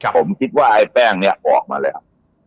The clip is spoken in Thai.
ผมคิดว่าไอ้แป้งเนี่ยออกมาแล้ว